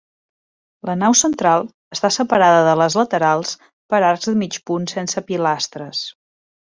La nau central està separada de les laterals per arcs de mig punt sense pilastres.